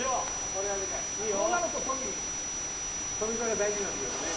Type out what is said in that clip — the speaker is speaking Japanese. こうなるとトミー富澤が大事になってきますね